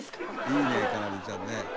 「いいねかなでちゃんね」